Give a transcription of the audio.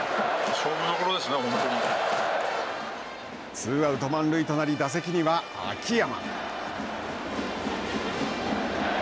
ツーアウト、満塁となり打席には秋山。